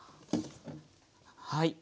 はい。